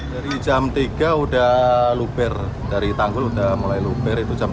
dari jam tiga udah luber dari tanggul udah mulai luber itu jam tiga